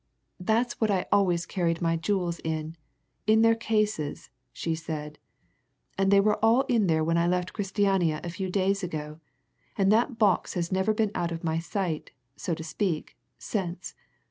"That's what I always carried my jewels in in their cases," she said. "And they were all in there when I left Christiania a few days ago, and that box has never been out of my sight so to speak since.